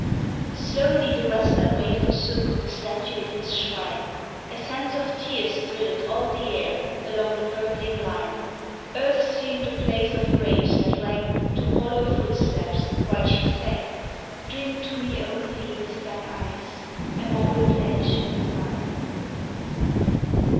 Slowly the western ray forsook The statue in its shrine; A sense of tears thrilled all the air Along the purpling line. Earth seemed a place of graves that rang To hollow footsteps, while she sang, "Drink to me only with thine eyes. And I will pledge with mine!"